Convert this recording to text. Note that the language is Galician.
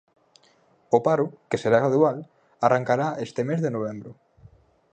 O paro, que será gradual, arrancará este mes de novembro.